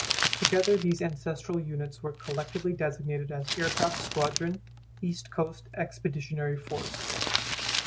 Together, these ancestral units were collectively designated as Aircraft Squadron, East Coast Expeditionary Force.